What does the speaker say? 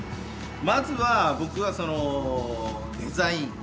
まずは僕はそのデザインですね。